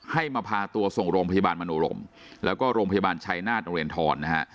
ให้มาพาตัวส่งโรงพยาบาลมโนรมแล้วก็โรงพยาบาลชัยนาธโรงเรียนทรนะฮะ